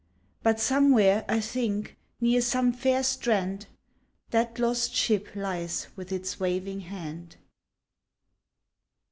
But somewhere, I think, near some fair strand, That lost ship lies with its waving hand.